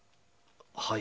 はい。